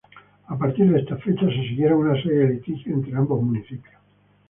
A partir de estas fechas se siguieron una serie de litigios entre ambos municipios.